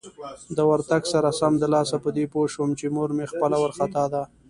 د ورتګ سره سمدلاسه په دې پوه شوم چې مور مې خپله وارخطا ده.